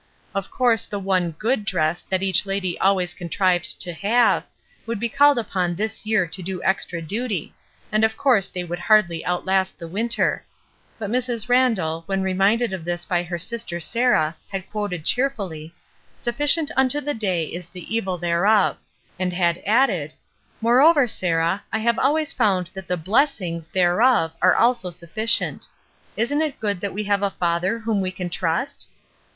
Of course the one "good" dress that each lady always contrived to have, would be called upon this year to do extra duty, and of course they would hardly outlast the winter; but Mrs. Randall, when reminded of this by her sister Sarah, had quoted cheerfully, "Sufficient unto the day is the evil thereof," and had added: "Moreover, Sarah, I have always found that the blessings 'thereof were also sufficient. Isn't it good that we have a Father whom we can trust?"